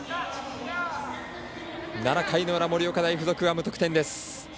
７回の裏、盛岡大付属は無得点です。